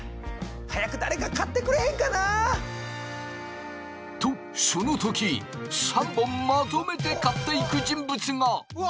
早く誰か買ってくれへんかな！とその時３本まとめて買っていく人物が！うわ！